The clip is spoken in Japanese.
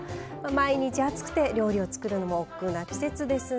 毎日暑くて料理を作るのもおっくうな季節ですね。